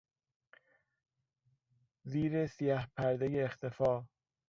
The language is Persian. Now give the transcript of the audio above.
زیر سیه پردهی اختفا